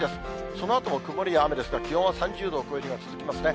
そのあとも曇りや雨ですが、気温は３０度を超える日が続きますね。